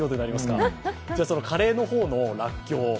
カレーの方のらっきょう。